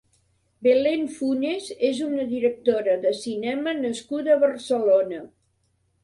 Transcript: Belén Funes és una directora de cinema nascuda a Barcelona.